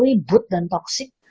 ribut dan toksik